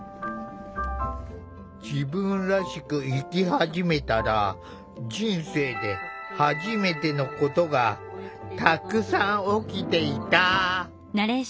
自分らしく生き始めたら人生ではじめてのことがたくさん起きていた！